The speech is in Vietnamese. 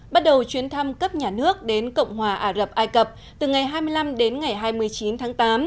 bắt đầu chuyến thăm cấp nhà nước đến cộng hòa ả rập ai cập từ ngày hai mươi năm đến ngày hai mươi chín tháng tám